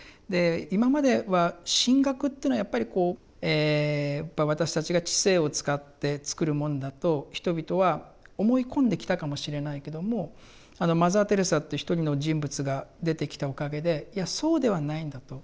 今までは神学というのはやっぱりこう私たちが知性を使って作るもんだと人々は思い込んできたかもしれないけどもあのマザー・テレサっていう一人の人物が出てきたおかげでいやそうではないんだと。